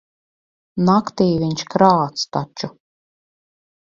Naktī viņš krāc taču.